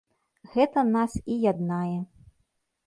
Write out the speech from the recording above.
Гэта нас і яднае.